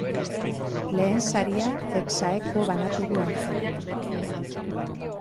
Lehen saria ex aequo banatu du Angelek.